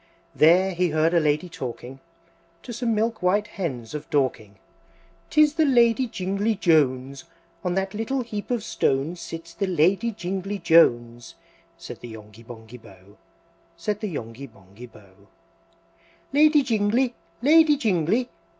There he heard a Lady talking, To some milk white Hens of Dorking, "'Tis the Lady Jingly Jones! On that little heap of stones Sits the Lady Jingly Jones!" Said the Yonghy Bonghy Bò, Said the Yonghy Bonghy Bò. III. "Lady Jingly! Lady Jingly!